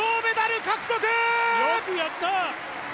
よくやった！